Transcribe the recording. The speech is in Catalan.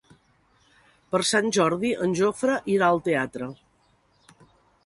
Per Sant Jordi en Jofre irà al teatre.